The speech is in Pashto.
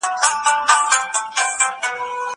زه به سبا پلان جوړوم وم.